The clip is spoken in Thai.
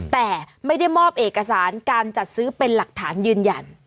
แต่ไม่ได้มอบเอกสารการจัดซื้อเป็นหลักฐานยืนยัน